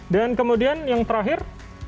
dan kemudian yang terakhir